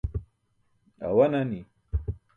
Awa nani.